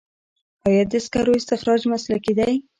آیا د سکرو استخراج مسلکي دی؟